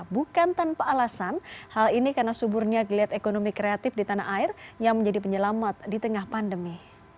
bukan tanpa alasan hal ini karena suburnya geliat ekonomi kreatif di tanah air yang menjadi penyelamat di tengah pandemi